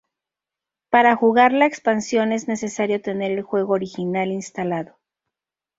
Para jugar la expansión es necesario tener el juego original instalado.